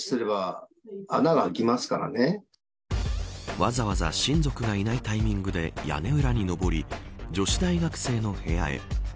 わざわざ親族がいないタイミングで屋根裏に登り女子大学生の部屋へ。